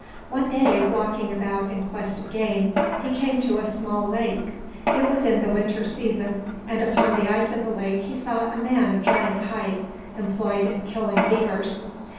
One day, walking about in quest of game, he came to a small lake. It was in the winter season; and upon the ice of the lake he saw a man of giant height, employed in killing beavers.